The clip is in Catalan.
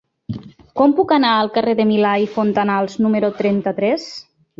Com puc anar al carrer de Milà i Fontanals número trenta-tres?